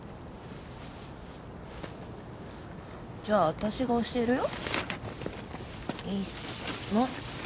じゃあ私が教えるよ。